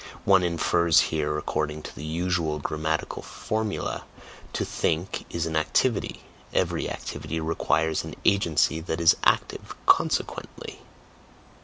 One infers here according to the usual grammatical formula "To think is an activity; every activity requires an agency that is active; consequently"...